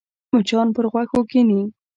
مچان پر غوښو کښېني